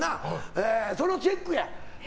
だから、そのチェックや。